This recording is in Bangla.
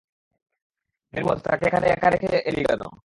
নির্বোধ, তাকে সেখানে একা রেখে এলি কেন?